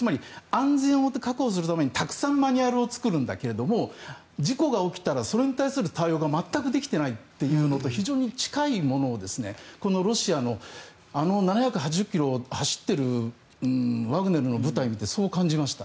安全を確保するためにたくさんマニュアルを作るんだけど事故が起きたらそれに対する対応が全くできてないというのと非常に近いものをこのロシアのあの７８０ｋｍを走っているワグネルの部隊を見てそう感じました。